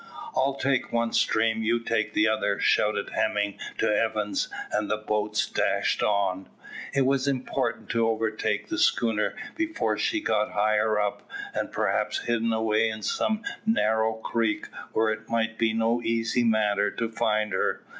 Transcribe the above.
"I'll take one stream, you take the other," shouted Hemming to Evans; and the boats dashed on. It was important to overtake the schooner before she got higher up, and perhaps hidden away in some narrow creek where it might be no easy matter to find her.